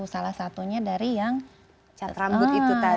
salah satunya dari yang cat rambut itu tadi